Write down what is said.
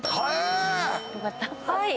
はい。